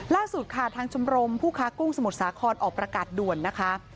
ล่าสุดค่ะทางชมรมผู้ค้ากุ้งสมุทรสาครออกประกาศด่วนนะคะ